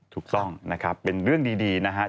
ถูกต้องนะครับเป็นเรื่องดีนะครับ